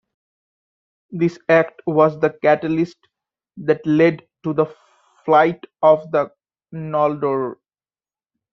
This act was the catalyst that led to the Flight of the Noldor.